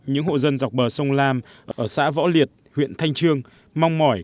những hộ dân dọc bờ sông lam ở xã võ liệt huyện thanh trương mong mỏi